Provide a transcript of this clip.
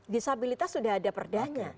disabilitas sudah ada perdana